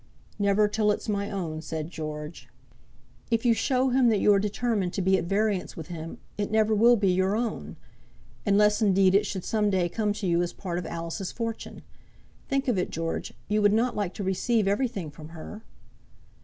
"Never till it's my own," said George. "If you show him that you are determined to be at variance with him, it never will be your own; unless, indeed, it should some day come to you as part of Alice's fortune. Think of it, George; you would not like to receive everything from her."